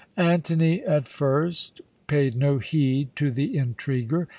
"Antony at first paid no heed to the intriguer.